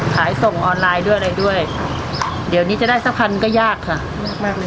ขายส่งออนไลน์ด้วยอะไรด้วยค่ะเดี๋ยวนี้จะได้สักพันก็ยากค่ะยากมากเลย